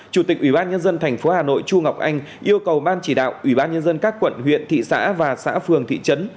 chủ tịch ubnd tp hà nội chu ngọc anh yêu cầu ban chỉ đạo ubnd các quận huyện thị xã và xã phường thị trấn